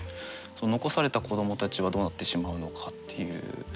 その残された子どもたちはどうなってしまうのかっていう。